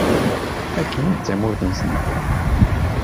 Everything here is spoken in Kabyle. Akken i d tamurt-nsen.